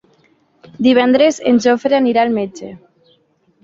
Divendres en Jofre anirà al metge.